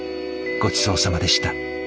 ごちそうさまでした。